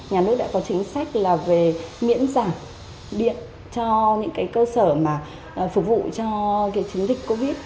nhà nước đã có chính sách là về miễn giảm điện cho những cái cơ sở mà phục vụ cho việc chống dịch covid